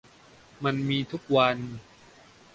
มันมีทุกวัน